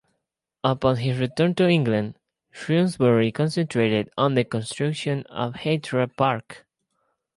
Upon his return to England, Shrewsbury concentrated on the construction of Heythrop Park.